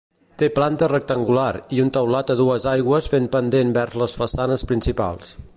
Té planta rectangular i un teulat a dues aigües fent pendent vers les façanes principals.